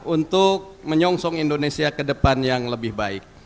untuk menyongsong indonesia ke depan yang lebih baik